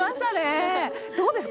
どうです？